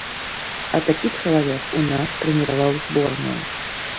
А такі чалавек у нас трэніраваў зборную!